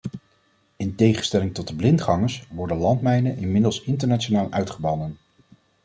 In tegenstelling tot de blindgangers worden landmijnen inmiddels internationaal uitgebannen.